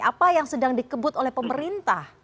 apa yang sedang dikebut oleh pemerintah